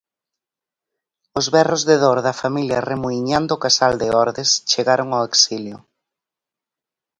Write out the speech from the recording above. Os berros de dor da familia Remuiñán do Casal de Ordes chegaron ao exilio.